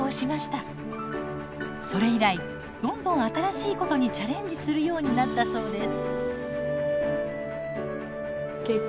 それ以来どんどん新しいことにチャレンジするようになったそうです。